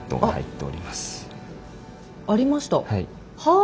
はい。